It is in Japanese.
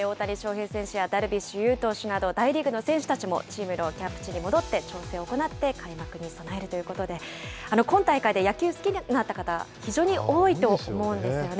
大谷翔平選手やダルビッシュ有投手など大リーグの選手たちもチームのキャンプ地に戻って調整を行って、開幕に備えるということで、今大会で野球好きになった方、非常に多いと思うんですよね。